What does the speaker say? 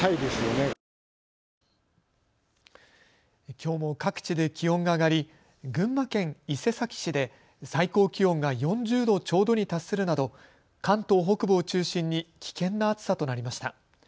きょうも各地で気温が上がり群馬県伊勢崎市で最高気温が４０度ちょうどに達するなど関東北部を中心に危険な暑さとなりました。